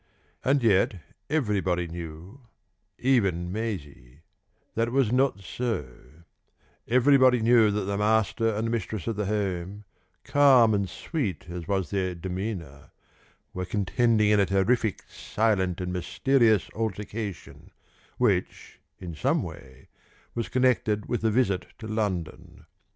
And yet everybody knew even to Maisie that it was not so; everybody knew that the master and the mistress of the home, calm and sweet as was their demeanour, were contending in a terrific silent and mysterious altercation, which in some way was connected with the visit to London.